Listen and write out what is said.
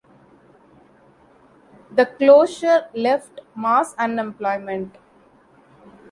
The closure left mass unemployment.